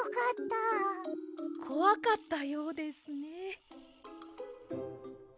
こわかったようですね。